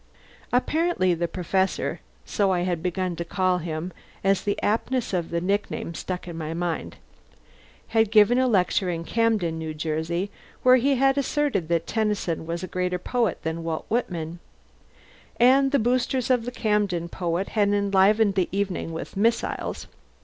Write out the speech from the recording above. Apparently the Professor (so I had begun to call him, as the aptness of the nickname stuck in my mind) had given a lecture in Camden, N.J., where he had asserted that Tennyson was a greater poet than Walt Whitman; and the boosters of the Camden poet had enlivened the evening with missiles.